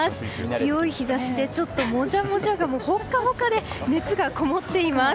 強い日差しでもじゃもじゃがホッカホカで熱がこもっています。